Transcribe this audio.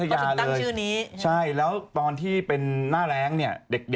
กำลังใจนะฮะแล้วก็ส่งแรงใจไปอยู่